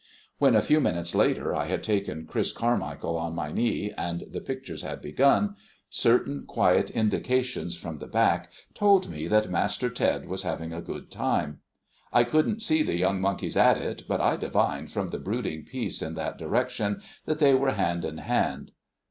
When, a few minutes later, I had taken Chris Carmichael on my knee, and the pictures had begun, certain quiet indications from the back told me that Master Ted was having a good time. I couldn't see the young monkeys at it, but I divined from the brooding peace in that direction that they were hand in hand.